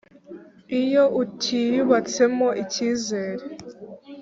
iyo utiyubatsemo icyizere